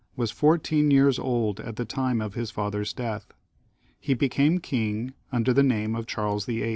was fourteen years old at the time of his father's death. He became king under the name of Charles VIII.